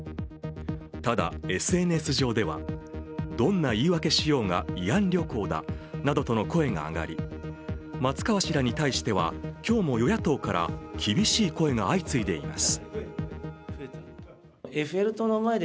ただ、ＳＮＳ上では、どんな言い訳しようが慰安旅行だなどとの声が上がり松川氏らに対しては、今日も与野党から厳しい声が相次いでいます。